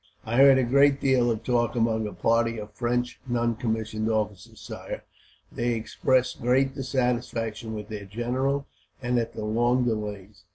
"I heard a great deal of talk among a party of French non commissioned officers, sire. They expressed great dissatisfaction with their general, and at the long delays.